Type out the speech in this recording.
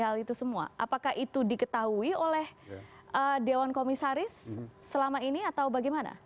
hal itu semua apakah itu diketahui oleh dewan komisaris selama ini atau bagaimana